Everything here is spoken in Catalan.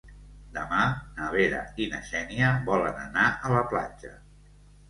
Demà na Vera i na Xènia volen anar a la platja.